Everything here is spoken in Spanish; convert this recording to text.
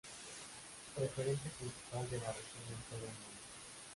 Referente principal de la región en todo el mundo.